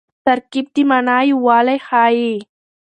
ترکیب د مانا یووالی ښيي.